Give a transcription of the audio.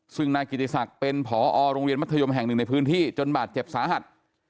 ซึ่งนายกิติศักดิ์เป็นผอโรงเรียนมัธยมแห่งหนึ่งในพื้นที่จนบาดเจ็บสาหัส